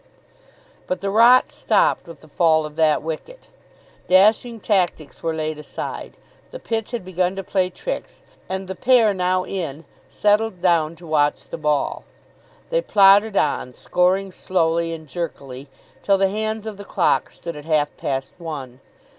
But the rot stopped with the fall of that wicket. Dashing tactics were laid aside. The pitch had begun to play tricks, and the pair now in settled down to watch the ball. They plodded on, scoring slowly and jerkily till the hands of the clock stood at half past one.